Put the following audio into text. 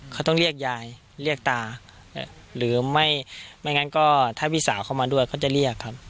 เขาต้องเรียกยายเรียกตาหรือไม่ไม่งั้นก็ถ้าพี่สาวเข้ามาด้วยเขาจะเรียกครับ